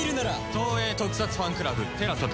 東映特撮ファンクラブＴＥＬＡＳＡで。